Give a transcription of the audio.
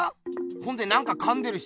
ほんで何かかんでるし。